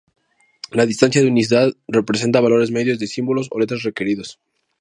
La distancia de unicidad representa valores medios de símbolos o letras requeridos.